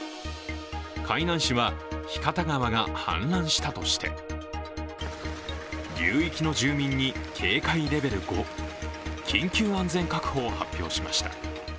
海南市は日方川が氾濫したとして流域の住民に警戒レベル５、緊急安全確保を発表しました。